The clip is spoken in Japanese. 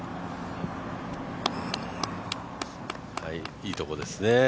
いいとこですね。